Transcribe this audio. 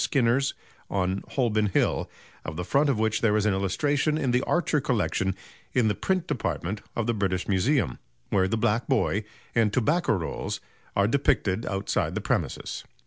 Skinner's on Holborn Hill, of the front of which there is an illustration in the Archer Collection in the Print Department of the British Museum, where the black boy and tobacco rolls are depicted outside the premises."